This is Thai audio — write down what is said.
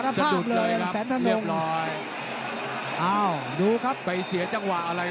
บ่หัวแบกแบบนี้ขอมัติเดียวอยู่แล้ว